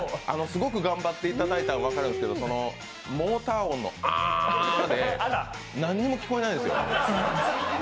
すごく頑張っていただいたのは分かるんですけどモーター音のアーっで何にも聞こえないんですよ。